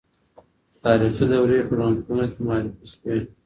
تاریخي دورې ټولنپوهنې ته معرفي سوې.